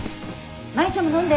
舞ちゃんも飲んで。